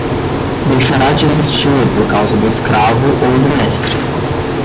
Deixará de existir por causa do escravo ou do mestre.